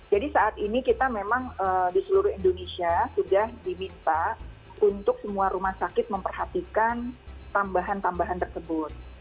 jadi saat ini kita memang di seluruh indonesia sudah diminta untuk semua rumah sakit memperhatikan tambahan tambahan tersebut